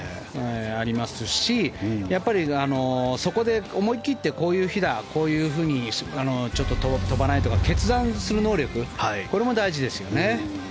ありますし、やっぱりそこで思い切ってこういう日だこういうふうに飛ばないとかって決断する能力これも大事ですよね。